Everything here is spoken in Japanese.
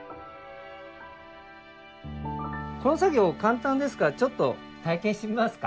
この作業簡単ですからちょっと体験してみますか？